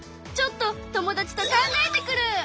ちょっと友達と考えてくる！